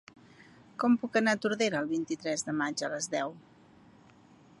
Com puc anar a Tordera el vint-i-tres de maig a les deu?